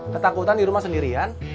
ketakutan di rumah sendirian